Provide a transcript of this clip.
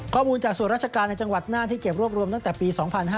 ข้อมูลจากส่วนราชการในจังหวัดน่านที่เก็บรวบรวมตั้งแต่ปี๒๕๕๙